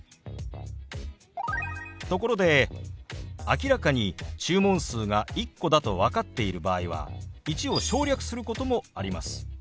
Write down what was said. ところで明らかに注文数が１個だと分かっている場合は「１」を省略することもあります。